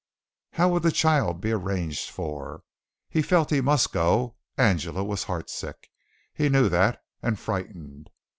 How would the child be arranged for? He felt he must go. Angela was heartsick, he knew that, and frightened.